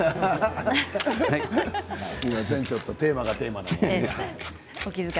本当はテーマがテーマなので。